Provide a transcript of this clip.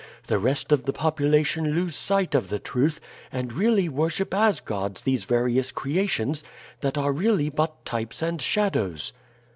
The rest of the population lose sight of the truth, and really worship as gods these various creations, that are really but types and shadows.